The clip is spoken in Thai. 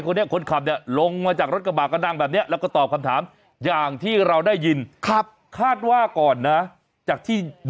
นี่มันเหตุผลอะไรของพี่เค้าครับเนี่ย